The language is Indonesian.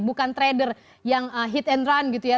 bukan trader yang hit and run gitu ya